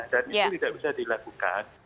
dan itu tidak bisa dilakukan